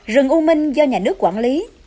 rừng u minh do nhà nước quản lý